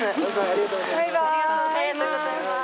ありがとうございます。